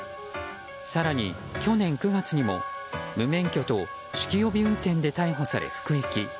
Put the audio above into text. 更に、去年９月にも無免許と酒気帯び運転で逮捕され服役。